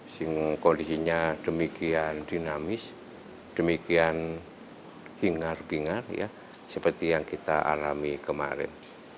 sehingga kondisinya demikian dinamis demikian hingar bingar ya seperti yang kita alami kemarin